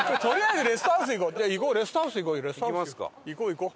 行こう。